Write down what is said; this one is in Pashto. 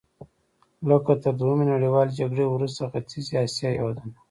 لکه تر دویمې نړیوالې جګړې وروسته ختیځې اسیا هېوادونه.